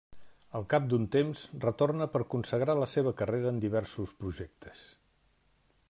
Al cap d'un temps, retorna per consagrar la seva carrera en diversos projectes.